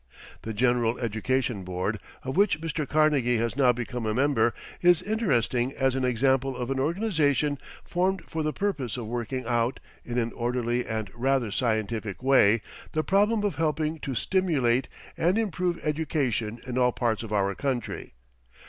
The General Education Board, of which Mr. Carnegie has now become a member, is interesting as an example of an organization formed for the purpose of working out, in an orderly and rather scientific way, the problem of helping to stimulate and improve education in all parts of our country.